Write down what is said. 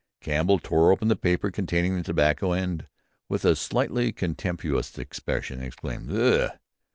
Campbell tore open the paper containing the tobacco, and, with a slightly contemptuous expression, exclaimed, "Ugh!